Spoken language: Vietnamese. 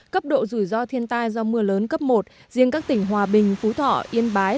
cấp độ rủi ro thiên tai do mưa lớn cấp một riêng các tỉnh hòa bình phú thọ yên bái